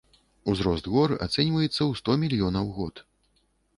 Узрост гор ацэньваецца ў сто мільёнаў год.